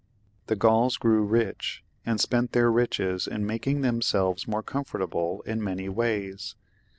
The Gauls grew rich, and spent their riches in making themselves more comfortable in many ways.